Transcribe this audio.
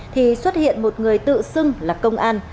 thì xuất hiện một người tự xưng là công an